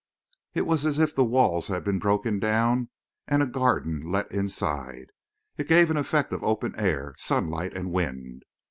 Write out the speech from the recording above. It was as if the walls had been broken down and a garden let inside it gave an effect of open air, sunlight and wind.